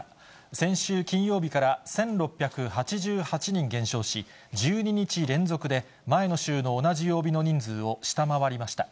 先週金曜日から１６８８人減少し、１２日連続で前の週の同じ曜日の人数を下回りました。